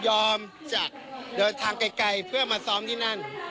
จากเดินทางไกลเพื่อมาซ้อมที่นั่น